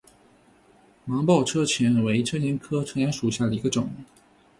芒苞车前为车前科车前属下的一个种。